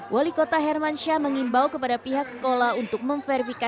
wali kota herman syah mengimbau kepada pihak sekolah untuk memfasilitasikan